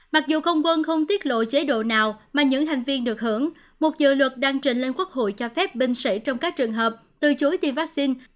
mặc dù không quân không tiết lộ chế độ nào mà những thành viên được hưởng một dự luật đang trình lên quốc hội cho phép binh sĩ trong các trường hợp từ chối tiêm vaccine